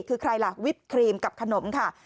คือใครล่ะวิปครีมกับขนมค่ะ